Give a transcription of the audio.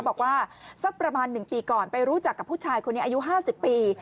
บอกว่าสักประมาณ๑ปีก่อนไปรู้จักกับผู้ชายคนนี้อายุ๕๐ปี